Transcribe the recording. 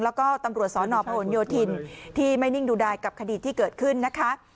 แล้วก็ตำรวจสนพหนโยธินที่ไม่นิ่งดูดายกับคดีที่เกิดขึ้นนะคะ